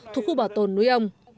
thuộc khu bảo tồn núi âu